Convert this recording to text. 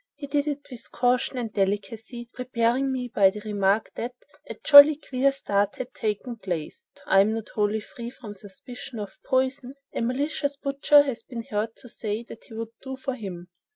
He did it with caution and delicacy, preparing me by the remark that 'a jolly queer start had taken place.' I am not wholly free from suspicions of poison. A malicious butcher has been heard to say that he would 'do' for him.